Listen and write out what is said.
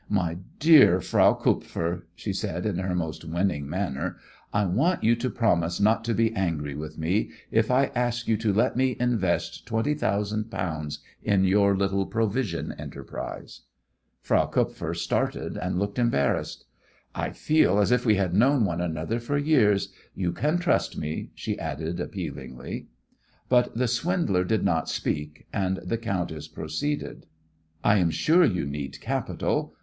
"My dear Frau Kupfer," she said, in her most winning manner, "I want you to promise not to be angry with me if I ask you to let me invest twenty thousand pounds in your little provision enterprise." Frau Kupfer started and looked embarrassed. "I feel as if we had known one another for years; you can trust me," she added, appealingly. But the swindler did not speak, and the countess proceeded: "I am sure you need capital.